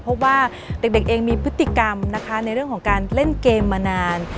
เพราะว่าเด็กเองมีพฤติกรรมนะคะในเรื่องของการเล่นเกมมานาน